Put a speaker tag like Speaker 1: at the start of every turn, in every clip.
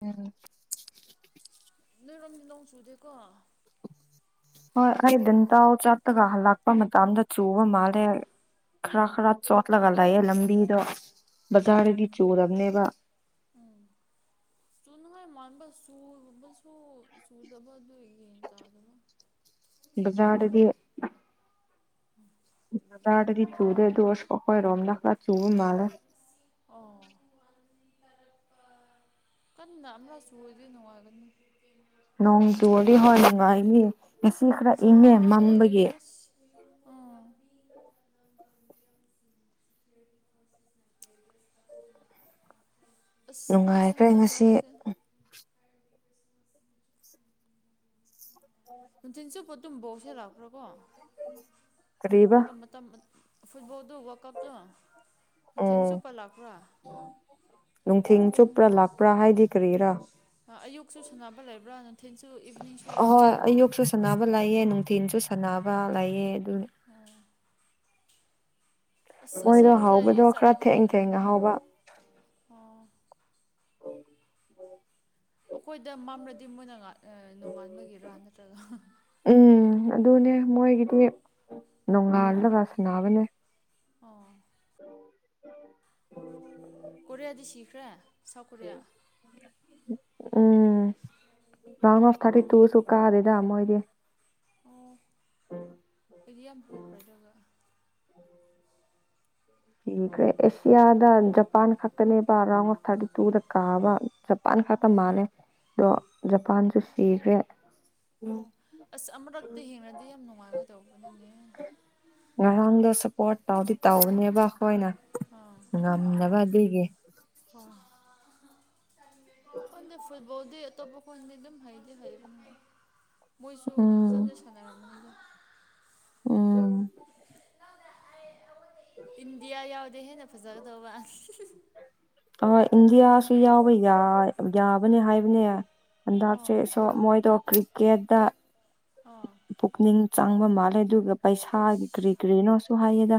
Speaker 1: ꯎꯝ
Speaker 2: ꯅꯔꯝ ꯂꯥꯎꯁꯨꯨ ꯎꯗꯦꯀꯣ
Speaker 1: ꯍꯣꯏ ꯑꯩꯗꯟꯇ ꯆꯠꯇꯒ ꯍꯜꯂꯛꯄ ꯃꯇꯝꯗ ꯆꯨꯕ ꯃꯥꯂꯦ ꯈꯔ ꯈꯔ ꯆꯣꯠꯂꯒ ꯂꯩꯥꯛꯌꯦꯦ ꯂꯝꯕꯤꯗꯣ
Speaker 2: ꯑꯣ
Speaker 1: ꯕꯖꯥꯔꯗꯤ ꯆꯨꯔꯕꯅꯦꯕ
Speaker 2: [unintelligible] ꯅꯨꯡꯉꯥꯏ ꯃꯥꯟꯕ ꯁꯨꯕꯁꯨ ꯆꯨꯗꯕ ꯑꯗꯨ ꯌꯦꯟ ꯇꯥꯗꯕ
Speaker 1: ꯆꯥꯗꯗꯤ ꯗꯥꯗꯤ ꯆꯨꯗ
Speaker 2: ꯑꯥ
Speaker 1: ꯗꯣꯁ ꯀꯈꯣꯏ ꯔꯝꯗꯂꯥ ꯆꯨꯕ ꯃꯥꯜꯦ
Speaker 2: ꯑꯣ ꯀ ꯑꯁꯨꯨ ꯑꯣꯏꯗ ꯅꯨꯡꯉꯥꯏꯒꯅꯤ
Speaker 1: ꯅꯣꯡ ꯇꯨꯒ ꯍꯣꯏ ꯅꯨꯡꯉꯥꯏꯅꯤ ꯉꯁꯤ ꯈꯔ ꯏꯪꯉꯦ
Speaker 2: ꯁꯥꯕꯅ ꯂꯣꯏꯔꯦ
Speaker 1: ꯃꯝꯕꯒꯤ
Speaker 2: ꯑꯁ ꯑꯥ ꯑꯁ ꯈꯪꯗꯦ
Speaker 1: ꯅꯨꯡꯉꯥꯏꯈ꯭ꯔꯦ
Speaker 2: ꯍꯟꯗꯛ
Speaker 1: ꯉꯁꯤ
Speaker 2: ꯃꯔꯛꯁꯦ ꯅꯨꯡꯊꯤꯟ ꯆꯨꯞꯕ ꯑꯗꯨꯝꯕꯧꯁꯤꯂꯛꯄ꯭ꯔꯥ ꯀꯣ ꯒ
Speaker 1: ꯀꯔꯤꯕ
Speaker 2: ꯃ ꯃꯇꯝ ꯐꯕꯣ ꯑꯗꯨ ꯋꯥꯀꯞꯇꯣ ꯅꯨꯡꯊꯤꯜ ꯆꯨꯞꯄ ꯂꯥꯛꯄ꯭ꯔꯥ
Speaker 1: ꯅꯨꯡꯊꯤ
Speaker 2: ꯄꯨꯡ ꯄꯨꯡ
Speaker 1: ꯆꯨꯞꯄ꯭ꯔꯥ ꯂꯥꯛꯄ꯭ꯔꯥ ꯍꯥꯏꯗꯤ ꯀꯔꯤꯔ
Speaker 2: ꯀꯛꯁꯨ ꯁꯥꯟꯅꯕ ꯂꯩꯕ꯭ꯔꯥ ꯅꯅ
Speaker 1: ꯑꯍꯣꯏ ꯑꯌꯨꯛꯁꯨ ꯁꯅꯕ ꯂꯥꯛꯑꯦ ꯅꯨꯡꯊꯤꯟꯜꯁꯨ ꯁꯥꯟꯅꯕ ꯂꯑꯦ ꯑꯗꯨ
Speaker 2: ꯑꯁ
Speaker 1: ꯃꯣꯏꯗꯣ
Speaker 2: ꯑꯁꯦꯡꯕꯗ
Speaker 1: ꯍꯧꯕꯗꯣ
Speaker 2: ꯆꯠꯂ
Speaker 1: ꯈꯔ
Speaker 2: ꯑꯗꯨ
Speaker 1: ꯊꯦꯡ ꯊꯦꯡꯅ
Speaker 2: ꯌꯦꯡꯅꯤꯡꯉꯤꯗ
Speaker 1: ꯍꯧꯕ
Speaker 2: ꯑꯣ ꯑꯩꯈꯣꯏꯗ ꯃꯝꯂꯗꯤ ꯃꯣꯏꯅ ꯅꯣꯡꯉꯥꯟꯕꯒꯤꯗꯔꯥ ꯅꯠꯇ꯭ꯔꯒ
Speaker 1: ꯎꯝ ꯑꯗꯨꯅꯦ ꯃꯣꯏꯒꯤꯗꯤ ꯅꯣꯡꯉꯥꯜꯂꯒ ꯁꯥꯟꯅꯕꯅꯦ
Speaker 2: ꯑꯣ
Speaker 1: ꯎ
Speaker 2: ꯀꯣꯔꯤꯌꯥ ꯗꯤꯁꯇ꯭ꯔꯤꯛꯈ꯭ꯔꯦ ꯁꯥꯎꯠ ꯀꯣꯔꯤꯌꯥ
Speaker 1: ꯎꯝ ꯂꯃ ꯊꯇꯤ ꯇꯨ ꯁꯨꯀꯥꯗꯦꯗ ꯃꯣꯏꯗꯤꯦ
Speaker 2: ꯑꯗꯨ ꯌꯥꯝꯝ ꯍꯣꯞ ꯔꯖꯛꯒ
Speaker 1: ꯈ꯭ꯔꯦ ꯑꯦꯁꯤꯌꯥꯗ ꯖꯄꯥꯟ ꯈꯛꯇꯅꯦꯕ ꯑꯔꯥꯎ ꯊꯥꯔꯇꯤ ꯇꯨꯗ ꯀꯥꯕ ꯖꯄꯥꯟ ꯈꯛꯇ ꯃꯥꯜꯂꯦ ꯑꯗꯣ ꯖꯄꯥꯟꯁꯨ ꯁꯤꯈ꯭ꯔꯦ
Speaker 2: ꯑꯣ ꯑꯁ ꯑꯃꯨꯔꯛꯇꯤ ꯍꯦꯡꯅꯗꯤ ꯌꯥꯝ ꯅꯨꯡꯉꯥꯏꯒꯗꯧꯕꯅꯤꯅꯦ
Speaker 1: ꯄꯣꯠ ꯐꯥꯎꯗꯤ ꯇꯧꯕꯅꯦꯕ ꯑꯩꯈꯣꯏꯅ ꯉꯝꯅꯕ ꯑꯗꯨꯏꯒꯤ
Speaker 2: ꯍꯣꯏ ꯀꯗ ꯐꯕꯣꯗ ꯇꯣꯄ ꯀ ꯑꯗꯨꯝ ꯍꯩꯗꯤꯦ ꯍꯥꯏꯩꯕ ꯃꯣꯏꯁꯨ
Speaker 1: ꯎꯝ
Speaker 2: ꯐꯖꯅ ꯁꯥꯟꯅꯔꯔꯕꯅꯤꯗ
Speaker 1: ꯎꯝ
Speaker 2: ꯏꯟꯗꯤꯌꯥ ꯌꯥꯎꯗꯦ ꯍꯦꯟꯅ ꯐꯖꯒꯗꯧꯕ
Speaker 1: ꯍꯣꯏ ꯏꯟꯗꯤꯌꯥꯁꯨ ꯌꯥꯎꯕ ꯌꯥꯕꯅꯦ ꯍꯥꯏꯕꯅꯦ ꯍꯟꯗꯛꯁꯦ
Speaker 2: ꯑꯣ
Speaker 1: ꯁ ꯃꯣꯏꯗꯣ ꯀ꯭ꯔꯤꯀꯦꯠꯇ
Speaker 2: ꯑꯣ
Speaker 1: ꯄꯨꯛꯅꯤꯡ ꯆꯪꯕ ꯃꯥꯜꯂꯦ ꯑꯗꯨꯒ ꯄꯩꯁꯥꯒꯤ
Speaker 2: ꯑꯁ
Speaker 1: ꯀꯔꯤ ꯀꯔꯤꯅꯣꯁꯨ ꯍꯥꯏꯌꯦꯗ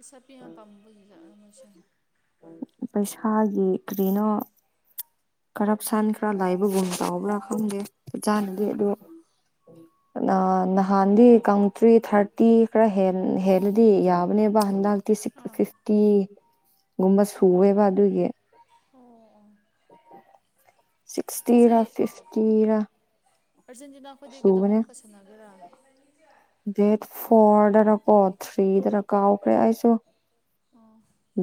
Speaker 2: ꯑꯁꯥ ꯄꯤꯌꯥꯥ ꯄꯥꯝꯝꯕꯕꯨ ꯍꯜꯥꯛ ꯃꯣꯏꯁꯦ
Speaker 1: ꯄꯩꯁꯥꯒꯤ ꯀꯔꯤꯅꯣ ꯀꯔꯞꯁꯟ ꯈꯔ ꯂꯥꯏꯕꯒꯨꯝ ꯆꯥꯎꯕ꯭ꯔꯥ ꯈꯪꯗꯦꯖꯥꯅꯗꯤ
Speaker 2: ꯑꯣ
Speaker 1: ꯑꯗꯣ ꯅꯍꯥꯟꯗꯤ ꯀꯥꯎꯟꯇ꯭ꯔꯤ ꯊꯥꯔꯇꯤ ꯈꯔ ꯍꯦꯜꯂꯗꯤ ꯌꯥꯕꯅꯦꯕ ꯍꯟꯗꯛ ꯐꯤꯇꯤ ꯐꯤꯐꯇꯤ
Speaker 2: ꯎ
Speaker 1: ꯒꯨꯝꯕ ꯁꯨꯋꯦꯕ ꯑꯗꯨꯒꯤ
Speaker 2: ꯑꯣ ꯑꯣ
Speaker 1: ꯎ
Speaker 2: ꯁꯤ
Speaker 1: ꯁꯤꯛꯁꯇꯤꯔꯥ ꯐꯤꯐꯇꯤꯔꯥ
Speaker 2: ꯑꯥꯔꯖꯦꯟꯇꯤꯅꯥ ꯈꯣꯏꯗꯤ ꯀꯩꯗꯧꯉꯩ
Speaker 1: ꯁꯨꯕꯅꯦ
Speaker 2: ꯑꯃꯨꯛꯀ ꯁꯥꯟꯅꯒꯦꯔꯥ
Speaker 1: ꯗꯦꯠ ꯐꯣꯔꯗꯅꯀꯣ ꯊ꯭ꯔꯤꯗꯅ ꯀꯥꯎꯈ꯭ꯔꯦ ꯑꯩꯁꯨ
Speaker 2: ꯑꯣ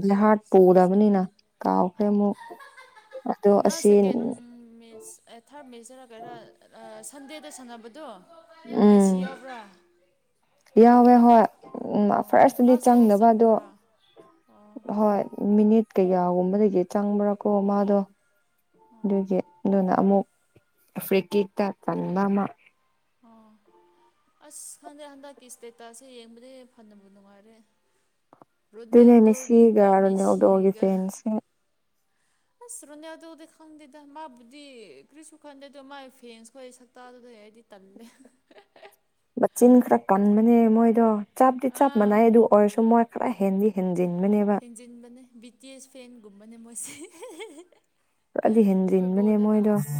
Speaker 1: ꯕꯍꯥꯔꯠ ꯄꯨꯔꯕꯅꯤꯅ
Speaker 2: ꯐꯖꯕꯅꯤ
Speaker 1: ꯀꯥꯎꯈ꯭ꯔꯦ ꯑꯃꯨꯛ ꯑꯗꯣ
Speaker 2: ꯅꯍ
Speaker 1: ꯑꯁꯤ
Speaker 2: ꯁꯦꯀꯦꯟ ꯃꯤ ꯊꯥꯔꯠ ꯃꯤꯁꯁꯤꯅ ꯀꯔ ꯁꯟꯗꯦꯗ ꯁꯥꯟꯅꯕꯗꯣ ꯉꯦꯁꯤ
Speaker 1: ꯎꯝ
Speaker 2: ꯌꯥꯎꯕ꯭ꯔꯥ
Speaker 1: ꯌꯥꯎꯋꯦ ꯍꯣꯏ
Speaker 2: ꯑꯣ
Speaker 1: ꯐꯥꯔꯁꯇꯗꯤ
Speaker 2: ꯂꯥꯁꯇꯒꯤ
Speaker 1: ꯆꯪꯗꯕ ꯑꯗꯣ
Speaker 2: ꯆꯪꯕꯒꯦꯔꯥ ꯑꯣ
Speaker 1: ꯍꯣꯏ ꯃꯤꯅꯤꯠ ꯀꯩꯌꯥꯒꯨꯝꯕꯗꯒꯤ ꯆꯪꯕ꯭ꯔꯥꯀꯣ ꯃꯥꯗꯣ ꯑꯗꯨꯒꯤ ꯑꯗꯨꯅ ꯑꯃꯨꯛ ꯑꯐ꯭ꯔꯤꯀꯦꯠꯇ ꯇꯟꯕ ꯑꯃ
Speaker 2: ꯎ ꯑꯁ ꯍꯪꯗꯦ ꯍꯟꯗꯛ ꯀꯤꯁꯇꯦ ꯇꯥꯁꯦ ꯌꯦꯡꯕꯗ ꯐꯕꯨ ꯅꯨꯡꯉꯥꯏꯔꯦ
Speaker 1: ꯑꯗꯨꯅꯦꯃꯤ
Speaker 2: ꯔꯣꯅꯦꯜꯗꯣꯒꯤꯒ
Speaker 1: ꯁꯤꯒꯥꯔꯅꯦ ꯑꯣꯗꯣꯒꯤ
Speaker 2: ꯃꯦꯁꯤꯒꯤꯒ
Speaker 1: ꯐꯦꯟꯁꯦ
Speaker 2: ꯑꯁ ꯔꯣꯅꯤꯌꯥ ꯑꯗꯨꯗꯤ ꯈꯪꯗꯦꯗ ꯃꯥꯕꯨꯗꯤ ꯀ꯭ꯔꯤꯁꯨ ꯈꯪꯗꯦ ꯑꯗꯨ ꯃꯥ ꯐꯦꯟꯁ ꯈ ꯁ ꯍꯥꯏꯗꯤ ꯇꯝꯃꯦ
Speaker 1: ꯃꯆꯤꯟ ꯈꯔ ꯀꯟꯕꯅꯦ ꯃꯣꯏꯗꯣ ꯆꯞꯇꯗꯤ ꯆꯞ
Speaker 2: ꯑꯥ
Speaker 1: ꯃꯥꯟꯅꯏ ꯑꯗꯨ ꯑꯣꯏꯔꯁꯨ ꯃꯣꯏ ꯈꯔ ꯍꯦꯟꯗꯤ ꯍꯦꯟ
Speaker 2: ꯍꯦꯟꯖꯤꯟꯕꯅꯦ ꯕꯤ ꯇꯤ ꯑꯦꯁ ꯐꯦꯟꯒꯨꯝꯕꯅꯦ ꯃꯣꯏꯁꯦ
Speaker 1: ꯗꯤ ꯍꯦꯟꯖꯤꯟꯕꯅꯦ
Speaker 2: ꯐꯨꯠꯕꯣꯜꯗ
Speaker 1: ꯃꯣꯏꯗꯣ
Speaker 2: ꯂꯥꯛꯑꯗꯤ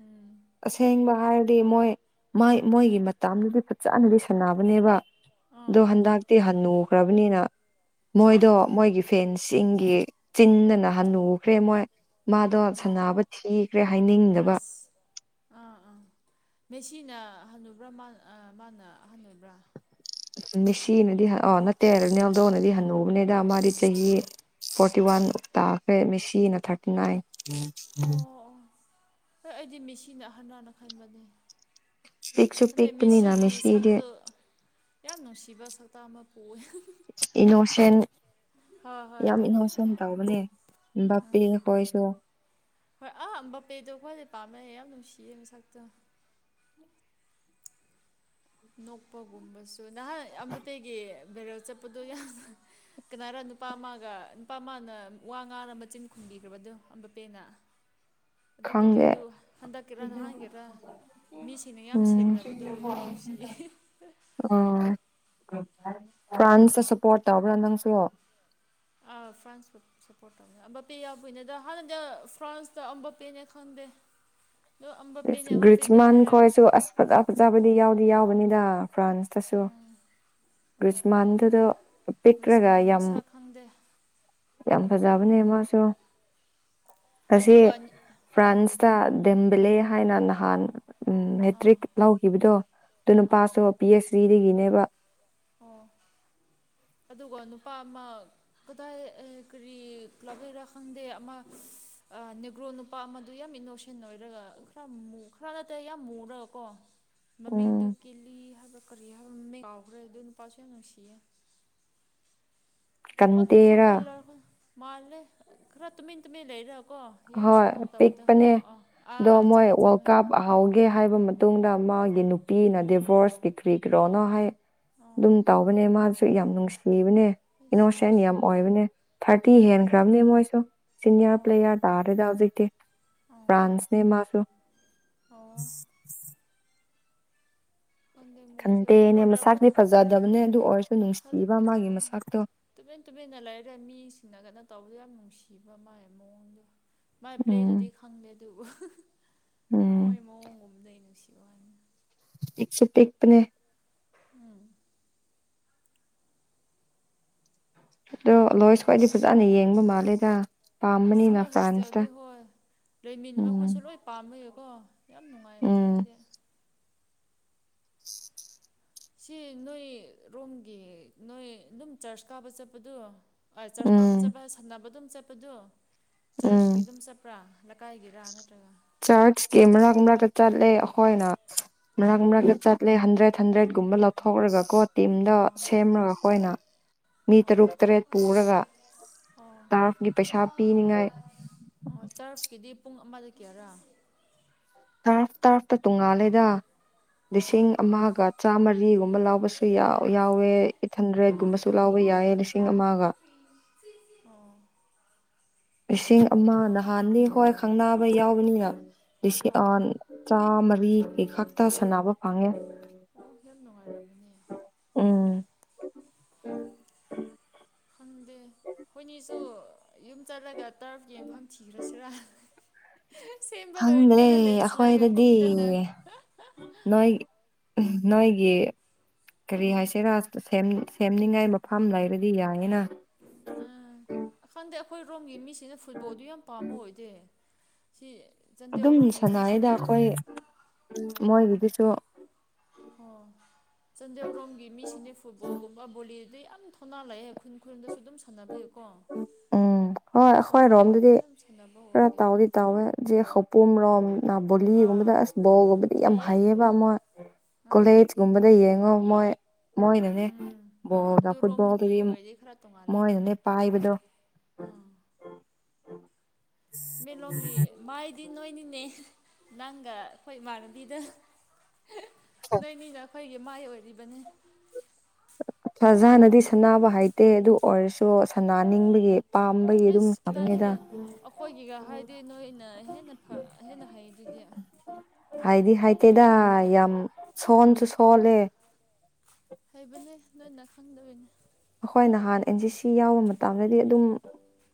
Speaker 2: ꯎꯝ
Speaker 1: ꯑꯁꯦꯡꯕ ꯍꯥꯏꯔꯗꯤ ꯃꯣꯏ ꯃꯥꯏ ꯃꯣꯏꯒꯤ ꯃꯇꯗꯨꯗꯤ ꯐꯖꯅ ꯂꯩꯁꯟꯅꯕꯅꯦꯕ
Speaker 2: ꯑꯥ
Speaker 1: ꯑꯗꯣ
Speaker 2: ꯑꯥ
Speaker 1: ꯍꯟꯗꯛꯇꯤ ꯍ ꯅꯨꯈ꯭ꯔꯕꯅꯤꯅ
Speaker 2: ꯍꯣꯏ
Speaker 1: ꯃꯣꯏꯗꯣ ꯃꯣꯏꯒꯤ ꯐꯦꯟꯁꯤꯡꯒꯤ ꯆꯤꯟꯗꯅ ꯍꯟꯅꯨꯈ꯭ꯔꯦ ꯃꯣꯏ ꯃꯥꯗꯣ
Speaker 2: ꯑꯥ
Speaker 1: ꯁꯕ ꯊꯤꯈ꯭ꯔꯦ ꯍꯥꯏꯅꯤꯡꯗꯕ
Speaker 2: ꯑꯁ ꯑꯥ ꯑꯥ ꯃꯦꯁꯤꯅ ꯑꯍꯜꯂꯨꯕ꯭ꯔꯥ ꯃꯥ ꯃꯥꯅ ꯑꯍꯜꯂꯨꯕ꯭ꯔꯥ
Speaker 1: ꯃꯤꯁꯤꯅꯗꯤ ꯑꯣ ꯅꯠꯇꯦꯔꯅꯦ ꯑꯗꯣꯅꯗꯤ ꯍꯟꯅꯨꯕꯅꯦꯗ ꯃꯥꯗꯤ ꯆꯍꯤ ꯐꯣꯔꯇꯤ ꯋꯥꯟ
Speaker 2: ꯑꯣ
Speaker 1: ꯇꯥꯈ꯭ꯔꯦ ꯃꯦꯁꯤꯅ ꯊꯥꯔꯇꯤ ꯅꯥꯏꯟ
Speaker 2: ꯑꯣ ꯑꯣ ꯍꯣꯏ ꯑꯩꯗꯤ ꯃꯤꯁꯤꯅ ꯑꯍꯜꯅ ꯈꯟꯕꯅꯦ
Speaker 1: ꯄꯤꯛꯁꯨ
Speaker 2: ꯑꯗꯩ
Speaker 1: ꯄꯤꯛꯄꯅꯤꯅ
Speaker 2: ꯃꯤꯁꯤꯒꯤ
Speaker 1: ꯃꯦꯁꯤꯗꯤ
Speaker 2: ꯁꯛꯇꯨ ꯌꯥꯝ ꯅꯨꯡꯁꯤꯕ ꯁꯛꯇꯥꯛ ꯑꯃ ꯄꯣꯛꯑꯦ
Speaker 1: ꯏꯅꯣꯁꯟ
Speaker 2: ꯍꯣꯏ ꯍꯣꯏ
Speaker 1: ꯌꯥꯝ ꯏꯅꯣꯁꯟ ꯇꯧꯕꯅꯦ ꯕꯥꯄꯤꯈꯣꯏꯁꯨ
Speaker 2: ꯍꯣꯏ ꯑꯥ ꯕꯄꯦꯗꯣ ꯑꯩꯈꯣꯏꯗꯤ ꯄꯥꯝꯅꯩꯌꯦ ꯌꯥꯝ ꯅꯨꯡꯁꯤꯌꯦ ꯃꯁꯛꯇꯨꯅ ꯅꯣꯛꯄꯒꯨꯝꯕꯁꯨ ꯅꯍꯥꯟ ꯑꯇꯩꯒꯤ ꯚꯦꯔꯦꯜ ꯆꯠꯄꯗꯣ ꯌꯥꯝ ꯀꯅꯥꯔꯣ ꯅꯨꯄꯥ ꯑꯃꯃꯒ ꯅꯨꯄꯥ ꯑꯃꯃꯅ ꯋꯥ ꯉꯥꯔ ꯃꯆꯤꯟ ꯈꯨꯝꯕꯤꯈ꯭ꯔꯕꯗꯣꯕꯄꯦꯅ [unintelligible] ꯑꯗꯨ
Speaker 1: ꯈꯪꯗꯦ
Speaker 2: ꯚꯤꯗꯤꯑꯣꯗꯨ ꯍꯟꯗꯛꯀꯦꯔ ꯅꯍꯥꯟꯒꯦꯔ ꯃꯤꯁꯤꯡꯅ ꯌꯥꯝ ꯁꯦꯝꯅꯕꯗꯣ ꯌꯥꯝ ꯅꯨꯡꯁꯤ
Speaker 1: ꯑꯣ ꯐ꯭ꯔꯥꯟꯁꯇ ꯁꯞꯄꯣꯔꯠ ꯇꯧꯕ꯭ꯔꯥ ꯅꯪꯁꯨꯣ
Speaker 2: ꯑ ꯐ꯭ꯔꯥꯟꯁꯄꯨ ꯁꯞꯄꯣꯔꯠ ꯇꯧꯅꯦ ꯑꯝꯕꯄꯦ ꯌꯥꯎꯗꯣꯏꯅꯦ ꯑꯗ ꯍꯥꯟꯅꯗꯤ ꯐ꯭ꯔꯥꯟꯁꯇ ꯑꯝꯕꯄꯦꯅꯦ ꯈꯪꯗꯦ [unintelligible]
Speaker 1: ꯑꯁ
Speaker 2: ꯑꯝꯕꯄꯦꯅꯦ ꯑꯝꯕꯄꯦꯅꯦ
Speaker 1: ꯒ꯭ꯔꯤꯖꯃꯥꯟ
Speaker 2: ꯍꯥꯏꯔꯒ
Speaker 1: ꯈꯣꯏꯁꯨ ꯑꯁ ꯐꯖ ꯐꯖꯕꯗꯤ ꯌꯥꯎꯗꯤ ꯌꯥꯎꯕꯅꯤꯗ ꯐ꯭ꯔꯥꯟꯁꯇꯁꯨ
Speaker 2: ꯎꯝ ꯈꯪꯗꯦ
Speaker 1: ꯔꯒꯔꯤꯖꯃꯥꯟꯗꯨꯗꯣ ꯄꯤꯛ꯭ꯔꯒ
Speaker 2: ꯒ꯭ꯔꯤꯁꯃꯥꯟ
Speaker 1: ꯌꯥꯝ
Speaker 2: ꯃꯁꯛ ꯈꯪꯗꯦ
Speaker 1: ꯌꯥꯝ
Speaker 2: ꯑꯥ
Speaker 1: ꯐꯖꯕꯅꯦ ꯃꯥꯁꯨ ꯑꯁꯤ
Speaker 2: ꯑꯗꯨꯒ ꯑꯥ
Speaker 1: ꯐ꯭ꯔꯥꯟꯁꯇ ꯗꯤꯝꯕꯤꯂꯦ ꯍꯥꯏꯅ ꯅꯍꯥꯟ ꯎꯝ
Speaker 2: ꯑꯥ
Speaker 1: ꯃꯦꯇ꯭ꯔꯤꯛ ꯂꯧꯈꯤꯕꯗꯣ ꯑꯗꯨ
Speaker 2: ꯑꯧ
Speaker 1: ꯅꯨꯄꯥꯁꯨ ꯄꯤ ꯑꯩꯆ ꯗꯤꯗꯒꯤꯅꯦꯕ
Speaker 2: ꯑꯣ ꯑꯗꯨꯒ ꯅꯨꯄꯥ ꯑꯃ ꯀꯗꯥꯏ ꯀꯔꯤ ꯂꯥꯛꯩꯔꯥ ꯈꯪꯗꯦ ꯑꯃ ꯅꯦꯒ꯭ꯔꯣ ꯅꯨꯄꯥ ꯑꯃꯗꯨ ꯌꯥꯝ ꯏꯅꯣꯁꯦꯟ ꯑꯣꯏꯔꯒ ꯈꯔ ꯈꯔ ꯅꯠꯇ꯭ꯔꯦ ꯌꯥꯝ ꯃꯨꯨꯔꯒ ꯀꯣ ꯃꯃꯤꯡꯗꯨ
Speaker 1: ꯎꯝ
Speaker 2: ꯀꯦꯜꯂꯤ ꯍꯥꯏꯕ ꯀꯔꯤ ꯍꯥꯏꯕ ꯃꯃꯤꯡ ꯀꯥꯎꯈ꯭ꯔꯦ ꯑꯗꯨ ꯅꯨꯄꯥꯁꯨ ꯌꯥꯝ ꯅꯨꯡꯁꯤꯌꯦ ꯍꯟ ꯇꯨ
Speaker 1: ꯀꯟꯇꯦꯔꯥ
Speaker 2: ꯐꯨꯠꯕꯣꯜꯔ ꯃꯥꯂꯦ ꯔꯠꯇꯃꯤꯇꯃꯤ ꯂꯩꯔ
Speaker 1: ꯍꯣꯏ ꯄꯤꯛꯄꯅꯦ
Speaker 2: ꯑꯥ
Speaker 1: ꯑꯗꯣ
Speaker 2: ꯑꯥ
Speaker 1: ꯃꯣꯏ
Speaker 2: ꯆꯨꯝꯃꯦ
Speaker 1: ꯋꯥꯔꯜ
Speaker 2: ꯆꯨꯝꯃꯦ
Speaker 1: ꯀꯥꯞ ꯑꯍꯥꯎꯒꯦ ꯍꯥꯏꯕ ꯃꯇꯨꯡꯗ ꯃꯥꯒꯤ ꯅꯨꯄꯤꯅ ꯗꯤꯚꯣꯔꯁ ꯄꯤꯈ꯭ꯔꯤ꯭ꯔꯣꯅ ꯍꯥꯏ
Speaker 2: ꯑꯣ
Speaker 1: ꯑꯗꯨꯝ ꯇꯥꯎꯕꯅꯦ ꯃꯥꯁꯨ ꯌꯥꯝ ꯅꯨꯡꯁꯤ
Speaker 2: ꯑꯩꯁ
Speaker 1: ꯅꯣꯁꯦꯟ ꯌꯥꯝ
Speaker 2: ꯅꯨꯡꯁꯤꯌꯦ
Speaker 1: ꯑꯣꯏꯕꯅꯦ ꯊꯥꯔꯇꯤ
Speaker 2: ꯑꯣ
Speaker 1: ꯍꯦꯟꯈ꯭ꯔꯕꯅꯦ ꯃꯣꯏꯁꯨ ꯁꯤꯅꯤꯌꯥꯔ
Speaker 2: ꯑꯣ
Speaker 1: ꯄ꯭ꯂꯦꯌꯥꯔ ꯇꯥꯔꯦꯗ ꯍꯧꯖꯤꯛꯇꯦ
Speaker 2: ꯑꯣ
Speaker 1: ꯐ꯭ꯔꯥꯟꯁꯦ ꯃꯥꯁꯨꯁꯨ
Speaker 2: ꯑꯣ ꯈꯪꯗꯦ ꯃꯣꯏꯁꯦ
Speaker 1: ꯈꯟꯗꯦꯅꯦ
Speaker 2: ꯐꯨꯠꯕꯣꯂꯔ
Speaker 1: ꯃꯁꯥꯛꯇꯤ
Speaker 2: ꯈꯣꯏꯗꯤ ꯈꯪꯗꯦ
Speaker 1: ꯐꯖꯗꯕꯅꯦ ꯑꯗꯨ ꯑꯣꯏꯔꯁꯨ
Speaker 2: ꯐꯖꯗꯦ
Speaker 1: ꯅꯨꯡꯁꯤꯕ ꯃꯥꯒꯤ
Speaker 2: ꯐꯖꯗꯦ
Speaker 1: ꯃꯁꯇꯣ
Speaker 2: ꯇꯨꯃꯤꯟ ꯇꯨꯃꯤꯟꯅ ꯂꯩꯔꯦ ꯃꯤꯁꯤꯡꯅꯒꯅ ꯇꯧꯕꯗꯣ ꯌꯥꯝ ꯅꯨꯡꯁꯤꯕ ꯃꯥ ꯃꯑꯣꯡꯗꯣ ꯃꯥꯏ
Speaker 1: ꯎꯝ
Speaker 2: ꯄ꯭ꯂꯦꯗꯨꯗꯤ ꯈꯪꯗꯦ ꯑꯗꯨꯕꯨ
Speaker 1: ꯎꯝ
Speaker 2: ꯃꯣꯏ ꯃꯑꯣꯡꯒꯨꯝ ꯂꯩ ꯅꯨꯡꯁꯤ
Speaker 1: ꯄꯤꯛꯁꯨ ꯄꯤꯛꯄꯅꯦ
Speaker 2: ꯎꯝ
Speaker 1: ꯑꯗꯣ ꯂꯣꯏꯁ ꯈ꯭ꯋꯥꯏꯗꯤ ꯐꯖꯅ ꯌꯦꯡꯕ ꯃꯥꯜꯂꯦꯗ
Speaker 2: ꯑꯁ
Speaker 1: ꯄꯥꯝꯕꯅꯤꯅ
Speaker 2: ꯃꯣꯏ
Speaker 1: ꯐ꯭ꯔꯥꯟꯁꯇ
Speaker 2: ꯍꯣꯁꯇꯦꯜꯗꯤ ꯍꯣꯏ ꯂꯩꯃꯤꯟꯅ
Speaker 1: ꯎꯝ
Speaker 2: ꯃꯈꯣꯏꯠꯁꯨ ꯂꯣꯏ ꯄꯥꯝꯃꯌꯦꯀꯣ ꯌꯥꯝ ꯅꯨꯡꯉꯥꯏꯝꯅꯦ
Speaker 1: ꯎꯝ
Speaker 2: ꯃꯗꯤ
Speaker 1: [inaudible]
Speaker 2: ꯁꯤ ꯅꯣꯏ ꯔꯣꯝꯒꯤ ꯅꯣꯏ ꯑꯗꯨꯝ ꯆꯔꯆ ꯀꯥꯕ ꯆꯠꯄꯗꯣ ꯍ ꯆꯔꯆ ꯀꯥꯕ
Speaker 1: ꯎꯝ
Speaker 2: ꯆꯠꯄ ꯁꯝꯅꯕ ꯑꯗꯨꯝ ꯆꯠꯄꯗꯨ ꯆꯔꯆꯀꯤ ꯑꯗꯨꯝ ꯆꯠꯄ꯭ꯔꯥ ꯂꯩꯀꯥꯏꯒꯤ
Speaker 1: ꯆꯥꯔꯆ ꯀꯤ ꯃꯔꯥꯛ ꯃꯔꯛꯇ ꯆꯠꯂꯦ ꯑꯩꯈꯣꯏꯅ ꯃꯔꯛ ꯃꯔꯛꯇ ꯆꯠꯂꯦ ꯍꯟꯗ꯭ꯔꯦꯠ ꯍꯟꯗ꯭ꯔꯦꯠꯀꯨꯝꯕ ꯂꯧꯊꯣꯛꯔꯒꯀꯣ ꯇꯤꯝꯗꯣ ꯁꯦꯝꯔꯒ ꯑꯩꯈꯣꯏꯅ ꯃꯤ
Speaker 2: ꯑꯣ
Speaker 1: ꯇꯔꯨꯛ ꯇꯔꯦꯠ ꯄꯨꯔꯒ
Speaker 2: ꯑꯣ
Speaker 1: ꯇꯥꯔꯐꯀꯤ ꯄꯩꯁꯥ ꯄꯤꯅꯤꯡꯉꯥꯏ
Speaker 2: ꯑꯝꯕꯗꯨ ꯀꯔ
Speaker 1: ꯇꯔꯐ ꯇꯔꯐꯇ ꯇꯣꯡꯉꯥꯜꯂꯦꯗ
Speaker 2: ꯑꯣ
Speaker 1: ꯂꯤꯁꯤꯡ ꯑꯃꯒ ꯆꯥꯝꯃꯔꯤ ꯀꯔꯤꯒꯨꯝꯕ ꯂꯥꯎꯕꯁꯨ ꯌꯥ ꯌꯥꯎꯋꯦ ꯑꯩꯠ ꯍꯟꯗ꯭ꯔꯦꯠꯀꯨꯝꯕꯁꯨ ꯂꯥꯎꯕ ꯌꯥꯏ ꯂꯤꯁꯤꯡ ꯑꯃꯒ
Speaker 2: ꯑꯣ
Speaker 1: ꯂꯤꯁꯤꯡ ꯑꯃ ꯅꯍꯥꯟꯅꯤ ꯍꯣꯏ ꯈꯪꯅꯕ ꯌꯥꯎꯕꯅꯤꯅ
Speaker 2: ꯑꯥ
Speaker 1: ꯂꯤꯁꯤꯡ ꯇꯥꯃꯔꯤꯒꯤ ꯈꯛꯇ ꯁꯅꯕ ꯐꯪꯉꯦ
Speaker 2: ꯑꯣ [unintelligible]
Speaker 1: ꯎꯝ
Speaker 2: ꯈꯪꯗꯦ ꯍꯣꯏꯅꯤꯁꯨ ꯌꯨꯝ ꯆꯠꯂꯒ ꯇꯔꯐꯀꯤ ꯌꯨꯝꯐꯝ ꯊꯤꯈ꯭ꯔꯁꯤꯔꯥ ꯁꯦꯝꯕ
Speaker 1: ꯍꯪꯗꯦ
Speaker 2: ꯂꯣꯏꯗ꯭ꯔꯤꯀꯥꯟꯗ ꯂꯦꯟꯁ꯭ꯂꯥꯏꯠꯒ
Speaker 1: ꯑꯈꯣꯏꯗꯗꯤ
Speaker 2: ꯀꯨꯝꯗꯅ
Speaker 1: ꯅꯣꯏ ꯅꯣꯏꯒꯤ ꯀꯔꯤ ꯍꯥꯏꯁꯤꯔꯥ ꯁꯦꯝꯅꯤꯡꯉꯥꯏ ꯃꯐꯝ ꯂꯩꯔꯗꯤ ꯌꯥꯏꯌꯦꯅ
Speaker 2: ꯎꯥ ꯈꯪꯗꯦ ꯑꯩꯈꯣꯏꯔꯣꯝꯒꯤ ꯃꯤꯁꯤꯅ ꯐꯨꯠꯕꯣꯜꯗꯨ ꯌꯥꯝ ꯄꯥꯝꯕ ꯑꯣꯏꯗꯦ ꯁꯤ
Speaker 1: ꯑꯗꯨꯝ
Speaker 2: ꯆꯥꯟꯗꯦꯜꯔꯣꯝꯒꯤ
Speaker 1: ꯁꯥꯟꯅꯔꯤꯗ
Speaker 2: ꯃꯤꯁꯤꯡꯅ
Speaker 1: ꯑꯩꯈꯣꯏ ꯃꯣꯏꯒꯤꯗꯨꯁꯨ
Speaker 2: ꯑꯣ ꯆꯥꯟꯗꯦꯜꯔꯣꯝꯒꯤ ꯃꯤꯁꯤꯡꯅ ꯐꯨꯠꯕꯣꯜꯒꯨꯝꯕ ꯕꯣꯂꯤꯗꯤ ꯌꯥꯝ ꯊꯣꯅꯥ ꯂꯑꯦ ꯈꯨꯟ ꯈꯨꯔꯟꯗꯁꯨ ꯑꯗꯨꯝ ꯁꯥꯟꯅꯕꯤꯨꯀꯣ ꯀꯣ
Speaker 1: ꯎꯝ ꯍꯣꯏ ꯑꯩꯈꯣꯏ ꯔꯣꯝꯗꯗꯤ ꯄꯨꯔꯥ
Speaker 2: ꯑꯣꯏꯗꯦꯕ
Speaker 1: ꯇꯥꯎꯗꯤ ꯇꯥꯎꯋꯦ ꯈꯧꯄꯨꯝ ꯔꯣꯝ ꯅ
Speaker 2: ꯑꯥ
Speaker 1: ꯕꯣꯂꯤꯒꯨꯝꯕꯗ ꯑꯁ ꯕꯣꯜꯒꯨꯝꯕꯗꯤ ꯌꯥꯝ
Speaker 2: ꯍꯩꯌꯦ
Speaker 1: ꯍꯩꯌꯦꯕ ꯑꯃꯛ
Speaker 2: ꯑꯥ
Speaker 1: ꯀꯣꯂꯦꯖꯀꯨꯝꯕꯗ ꯌꯦꯡꯉꯣ ꯃꯣꯏ ꯃꯣꯏꯅꯅꯦ
Speaker 2: ꯎꯝ
Speaker 1: ꯕꯣꯜꯗ
Speaker 2: ꯑꯗꯨꯔꯣꯝꯒꯤ
Speaker 1: ꯐꯨꯠꯕꯣꯜꯗꯗꯤ
Speaker 2: ꯑꯣꯏꯔꯗꯤ ꯈꯔ ꯇꯣꯡꯉꯥꯜꯂꯦ
Speaker 1: ꯃꯣꯏꯅꯅꯦ ꯄꯥꯏꯕꯗꯣ
Speaker 2: ꯃꯂꯣꯝꯒꯤ ꯃꯥꯏꯗꯤ ꯅꯣꯏꯅꯤꯅꯦ ꯅꯪꯒ ꯑꯩꯈꯣꯏ ꯏꯃꯥꯟꯅꯕꯤꯗ ꯅꯣꯏꯅꯤꯅ ꯑꯩꯈꯣꯏꯒꯤ ꯃꯥꯏ ꯑꯣꯏꯔꯤꯕꯅꯤ
Speaker 1: ꯐꯖꯅꯗꯤ ꯁꯥꯟꯕ ꯍꯥꯏꯩꯇꯦ ꯑꯗꯨ ꯑꯣꯏꯔꯁꯨ ꯁꯅꯅꯤꯡꯕꯒꯤ
Speaker 2: ꯑꯦꯁ ꯀꯗꯥꯏꯗꯒꯤ ꯑꯩꯈꯣꯏꯒꯤꯒ ꯍꯥꯏꯗꯤ ꯅꯣꯏꯅ ꯍꯦꯟꯅ ꯍꯦꯟꯅ ꯍꯩꯗꯨꯗꯤ [inaudible]
Speaker 1: ꯍꯩꯏꯗꯤ ꯍꯩꯏꯇꯦꯗ ꯌꯥꯝ ꯁꯣꯟꯁꯨ ꯁꯣꯜꯂꯦ
Speaker 2: ꯍꯩꯕꯅꯦ ꯅꯣꯏꯅ ꯈꯪꯗꯕꯩꯅꯦ
Speaker 1: ꯑꯩꯈꯣꯏ ꯅꯍꯥꯟ ꯑꯦꯟ ꯖꯤ ꯁꯤ ꯌꯥꯎꯕ ꯃꯇꯝꯗꯗꯤ ꯑꯗꯨꯝ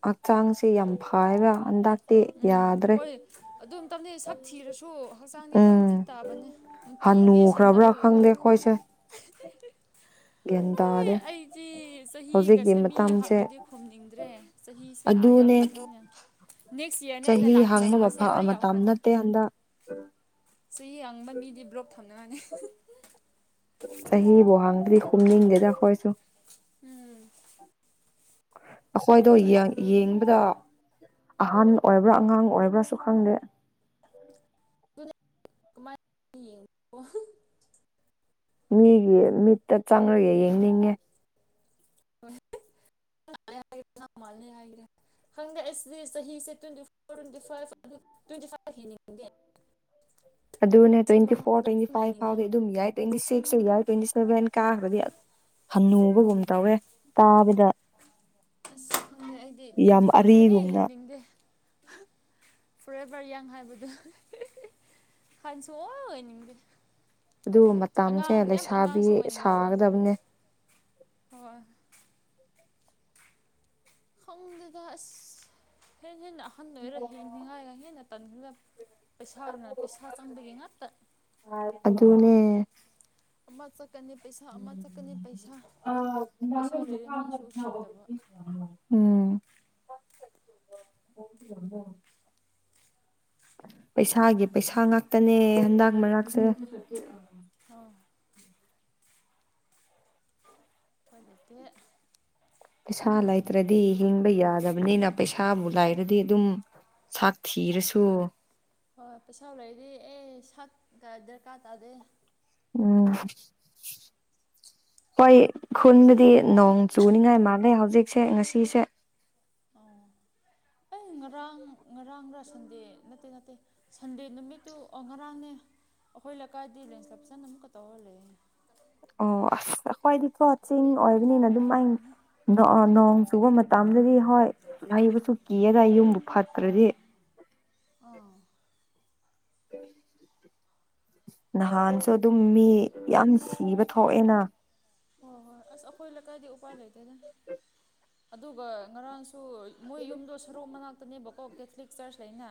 Speaker 1: ꯍꯛꯆꯥꯡꯁꯦ ꯌꯥꯝ ꯐꯩꯏꯕ ꯍꯟꯗꯛꯇꯤ ꯌꯥ
Speaker 2: ꯎꯝ ꯍꯣꯏ ꯑꯗꯨꯝ ꯇꯞꯅꯤ ꯁꯛ ꯊꯤꯔꯁꯨ ꯍꯛꯆꯥꯡꯗꯤ ꯑꯗꯨꯝ
Speaker 1: ꯎꯝ
Speaker 2: ꯐꯤꯠ ꯇꯥꯕꯅꯦ ꯅꯨꯡꯇꯤꯒꯤ ꯁꯟꯅ
Speaker 1: [unintelligible] ꯈꯪꯗꯦ ꯈꯣꯏꯁꯦ꯫
Speaker 2: [unintelligible]
Speaker 1: [unintelligible]
Speaker 2: ꯍꯦ ꯑꯩꯗꯤ
Speaker 1: ꯍꯧꯖꯤꯛꯀꯤ
Speaker 2: ꯆꯍꯤꯒꯁꯦ ꯃꯤ
Speaker 1: ꯃꯇꯝꯁꯦ
Speaker 2: ꯍꯪꯔꯗꯤ ꯈꯨꯝꯅꯤꯡꯗ꯭ꯔꯦ ꯆꯍꯤꯁꯦ ꯑꯥ
Speaker 1: ꯑꯗꯨꯅꯦ
Speaker 2: ꯌꯥꯎꯈ꯭ꯔ [unintelligible]
Speaker 1: ꯆꯍꯤ ꯍꯥꯡꯕ ꯃꯐ ꯃꯇꯝ ꯅꯠꯇꯦ ꯍꯟꯗꯛ꯫
Speaker 2: ꯁꯤ ꯌꯡꯕ ꯃꯤꯗꯤ ꯕ꯭ꯂꯣꯛ ꯊꯝꯅꯅꯤ꯫
Speaker 1: ꯆꯍꯤꯕꯨ ꯍꯥꯡꯗ꯭ꯔꯤ ꯈꯨꯝꯅꯤꯡꯗꯦꯗ ꯈꯣꯏꯁꯨ꯫
Speaker 2: ꯎꯝ
Speaker 1: ꯑꯈꯣꯏꯗꯣ ꯌ
Speaker 2: ꯀꯗꯥꯏꯗꯒꯤ ꯍꯟꯗꯛꯇꯤ
Speaker 1: ꯌꯦꯡꯕꯗ ꯑꯍꯟ ꯑꯣꯏꯕ꯭ꯔꯥ ꯑꯉꯥꯡ ꯑꯣꯏꯕ꯭ꯔꯥꯁꯨ ꯈꯪꯗꯦ꯫
Speaker 2: [unintelligible]
Speaker 1: ꯃꯤꯒꯤ ꯃꯤꯠꯇ ꯆꯪꯔꯒ ꯌꯦꯡꯅꯤꯡꯉꯦ꯫
Speaker 2: [unintelligible] ꯈꯪꯗꯦꯑꯁꯤꯗꯤ ꯆꯍꯤꯁꯦ twenty four twenty five twenty five [unintelligible]
Speaker 1: ꯑꯗꯨꯅꯦ
Speaker 2: ꯁꯤ
Speaker 1: ꯇ꯭ꯋꯦꯟꯇꯤ ꯐꯣꯔ
Speaker 2: ꯃꯅꯨꯡꯗ
Speaker 1: ꯇ꯭ꯋꯦꯟꯇꯤ
Speaker 2: ꯑꯗꯨꯝ
Speaker 1: ꯐꯥꯏꯚ
Speaker 2: ꯂꯩꯅꯤꯡꯉꯦ
Speaker 1: ꯐꯥꯎꯗꯤ ꯑꯗꯨꯝ ꯌꯥꯏ ꯇ꯭ꯋꯦꯟꯇꯤ ꯁꯤꯛꯁ ꯌꯥꯏ ꯇ꯭ꯋꯦꯟꯇꯤ ꯁꯚꯦꯟ ꯀꯥꯈ꯭ꯔꯗꯤ ꯍꯟꯅꯨꯕꯒꯨꯝ ꯇꯧꯋꯦ ꯇꯥꯕꯤꯗ꯫
Speaker 2: ꯑꯁ ꯈꯪꯗꯦ ꯑꯩꯗꯤ ꯇ꯭ꯋꯦꯟꯇꯤ ꯐꯥꯏꯚ ꯁꯨꯡꯍꯦ
Speaker 1: ꯑꯔꯤꯒꯨꯝꯅ
Speaker 2: ꯍꯦꯟꯅꯤꯡꯗꯦ꯫ ꯐꯣꯔꯦꯕꯔꯌꯪ ꯍꯥꯏꯕꯗꯨ [unintelligible] [unintelligible] ꯑꯣꯏꯅꯤꯡꯗꯦ꯫
Speaker 1: ꯑꯗꯨ ꯃꯇꯝꯁꯦ
Speaker 2: ꯑꯉꯥꯡ ꯌꯥꯝ
Speaker 1: ꯂꯩꯁꯥꯕꯤ
Speaker 2: ꯑꯉꯥꯡꯁꯨ ꯑꯣꯏꯅꯤꯡꯗꯕ
Speaker 1: ꯁꯥꯒꯗꯕꯅꯦ꯫
Speaker 2: ꯍꯣꯏ ꯈꯪꯗꯗ ꯑꯁ ꯍꯦꯟꯅ ꯍꯦꯟꯅ ꯑꯍꯟ ꯑꯣꯏꯔ ꯍꯤꯡꯅꯤꯡꯉꯥꯏꯒ ꯍꯦꯟꯅ [unintelligible] ꯄꯩꯁꯥꯅ ꯄꯩꯁꯥ ꯆꯪꯕꯒꯤ ꯉꯛꯇ
Speaker 1: [unintelligible] ꯑꯗꯨ
Speaker 2: [unintelligible] ꯑꯃ ꯆꯠꯀꯅꯤ ꯄꯩꯁꯥ ꯄꯩꯁꯥ
Speaker 1: [unintelligible]
Speaker 2: ꯂꯩꯕ ꯃꯤꯁꯨ ꯎꯁꯤꯠꯇꯕ
Speaker 1: ꯎꯝ
Speaker 2: [inaudible]
Speaker 1: [unintelligible] ꯄꯩꯁꯥꯒꯤ ꯄꯩꯁꯥ ꯉꯥꯛꯇꯅꯦ ꯍꯟꯗꯛ ꯃꯔꯛꯁꯦ꯫
Speaker 2: ꯑꯣ ꯄꯥꯂꯩꯇꯦ꯫
Speaker 1: ꯄꯩꯁꯥ ꯂꯩꯇ꯭ꯔꯗꯤ ꯍꯤꯡꯕ ꯌꯥꯗꯕꯅꯤꯅ ꯄꯩꯁꯥꯕꯨ ꯂꯥꯏꯔꯗꯤ ꯑꯗꯨꯝ ꯁꯥ ꯊꯤꯔꯁꯨ꯫
Speaker 2: ꯍꯣꯏ ꯄꯩꯁꯥꯎ ꯂꯩꯗꯤ ꯑꯦ ꯁꯛꯀ ꯗꯔꯀꯥꯔ ꯇꯥꯗꯦ꯫
Speaker 1: ꯎꯝ
Speaker 2: [inaudible]
Speaker 1: ꯍꯣꯏ ꯈꯨꯟꯕꯨꯗꯤ ꯅꯣꯡ ꯆꯨꯅꯤꯉꯥꯏ ꯃꯥꯜꯂꯦ ꯍꯧꯖꯤꯛꯁꯦ ꯉꯁꯤꯁꯦ꯫
Speaker 2: ꯑꯣ ꯑꯩ ꯉꯔꯥꯡ ꯉꯔꯥꯡ ꯔ ꯁꯟꯗꯦ ꯅꯠꯇꯦ ꯅꯠꯇꯦ ꯁꯟꯗꯦ ꯅꯨꯃꯤꯠꯇꯨ ꯑꯣ ꯉꯔꯥꯡꯅꯦ꯫ ꯑꯈꯣꯏ ꯂꯀꯥꯏꯗꯤ ꯂꯦꯟꯁ ꯂꯞꯆꯟ ꯑꯃꯨꯛꯀ ꯇꯧꯔ ꯂꯩꯌꯦ꯫
Speaker 1: ꯑꯣ ꯑꯁ ꯑꯈ꯭ꯋꯥꯏꯗꯤꯀꯣ ꯆꯤꯡ ꯑꯣꯏꯕꯅꯤꯅ ꯑꯗꯨꯝ ꯑ ꯅꯣ ꯅꯣꯡ
Speaker 2: ꯇꯀꯥꯟꯗ
Speaker 1: ꯆꯨꯕ ꯃꯇꯝꯗꯗꯤ ꯍꯣꯏ ꯍꯩꯕꯁꯨ ꯀꯤꯌꯦꯗ ꯌꯨꯝꯕꯨ꯫ ꯐꯠꯇ꯭ꯔꯗꯤ
Speaker 2: ꯑꯥ
Speaker 1: [unintelligible] ꯅꯍꯥꯟꯁꯨ ꯑꯗꯨꯝ ꯃꯤ ꯌꯥꯝ ꯁꯤꯕ ꯊꯣꯛꯑꯦꯅ꯫
Speaker 2: ꯍꯣꯏ ꯍꯣꯏ ꯑꯁ ꯑꯈꯣꯏ ꯂꯀꯥꯏꯗꯤ ꯎꯄꯥꯏ ꯂꯩꯇꯦꯗ ꯑꯗꯨꯒ ꯉꯔꯥꯡ [unintelligible] ꯃꯣꯏ ꯌꯨꯝꯗꯣ ꯁꯔꯣ ꯃꯅꯥꯛꯇꯅꯦꯕꯀꯣ ꯀꯦꯊꯂꯤꯛ ꯆꯔꯆ ꯂꯩꯅ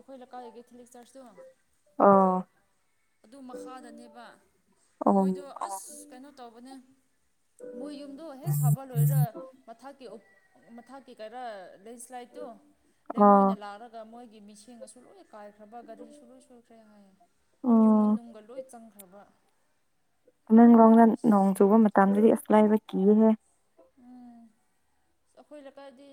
Speaker 2: ꯑꯈꯣꯏ ꯂꯀꯥꯏ ꯒꯤꯊꯤꯂꯤꯛ ꯆꯔꯁꯇꯨ
Speaker 1: ꯑꯥ
Speaker 2: ꯑꯗꯨ ꯃꯈꯥꯗꯅꯦꯕ
Speaker 1: ꯑꯣ
Speaker 2: ꯃꯣꯏꯗꯣ ꯑꯁ ꯀꯩꯅꯣ ꯇꯧꯕꯅꯦ ꯃꯣꯏ ꯌꯨꯝꯗꯣ ꯍꯦꯛ ꯁꯥꯕ ꯂꯣꯏꯔ ꯃꯊꯀꯤ ꯃꯊꯥꯛꯀꯤ ꯀꯩꯔꯥ ꯂꯦꯟꯁ꯭ꯂꯥꯏꯠꯇꯣ
Speaker 1: ꯑꯣ
Speaker 2: ꯂꯩꯉꯣꯏꯅ ꯂꯥꯛꯑꯒ ꯃꯣꯏꯒꯤ ꯃꯤꯁ ꯑꯁꯨ ꯂꯣꯏꯅ ꯀꯥꯏꯈ꯭ꯔꯕ ꯒꯥꯔꯤꯁꯨ ꯂꯣꯏ ꯁꯣꯏꯈ꯭ꯔꯦ ꯍꯥꯏ ꯌꯨꯝ
Speaker 1: ꯎꯝ
Speaker 2: ꯃꯅꯨꯡꯒ ꯂꯣꯏ ꯆꯪꯈ꯭ꯔꯕ ꯑꯗꯨꯒꯤ
Speaker 1: ꯅꯃꯪꯡꯂꯣꯡꯅ
Speaker 2: ꯑꯁ
Speaker 1: ꯅꯣꯡ ꯆꯨꯕ
Speaker 2: ꯈꯪ
Speaker 1: ꯃꯇꯝꯗꯗꯤ ꯑꯁꯂꯥꯏꯕ ꯀꯤꯍꯦ
Speaker 2: ꯎꯝ ꯑꯩꯈꯣꯏ ꯂꯩꯀꯥꯏꯗꯤ